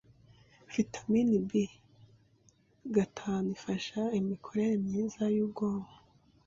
Vitamin B gatanu ifasha imikorere myiza y’ubwonko